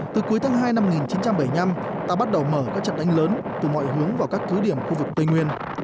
từ cuối tháng hai năm một nghìn chín trăm bảy mươi năm ta bắt đầu mở các trận đánh lớn từ mọi hướng vào các cứ điểm khu vực tây nguyên